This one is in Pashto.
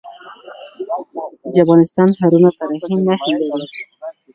د افغانستان ښارونه تاریخي نښي لري.